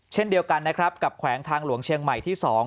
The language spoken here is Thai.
เช่นเดียวกันนะครับกับแขวงทางหลวงเชียงใหม่ที่๒